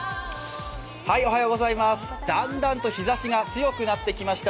だんだんと日ざしが強くなってきました。